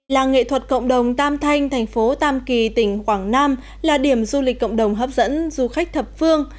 làng nghệ thuật cộng đồng tam thanh thành phố tam kỳ tỉnh quảng nam là điểm du lịch cộng đồng hấp dẫn du khách thập phương